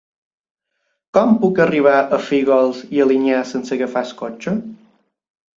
Com puc arribar a Fígols i Alinyà sense agafar el cotxe?